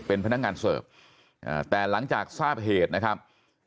เป็นพนักงานเสิร์ฟแต่หลังจากทราบเหตุนะครับ